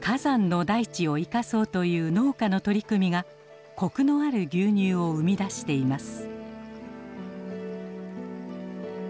火山の大地を生かそうという農家の取り組みがコクのある牛乳を生み出しています。